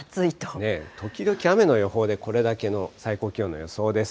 時々雨の予報で、これだけの最高気温の予想です。